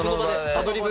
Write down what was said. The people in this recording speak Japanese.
アドリブ。